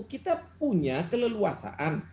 kita punya keleluasaan